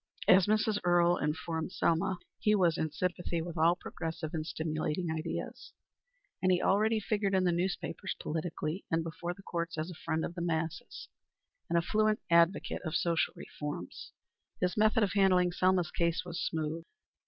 As Mrs. Earle informed Selma, he was in sympathy with all progressive and stimulating ideas, and he already figured in the newspapers politically, and before the courts as a friend of the masses, and a fluent advocate of social reforms. His method of handling Selma's case was smooth.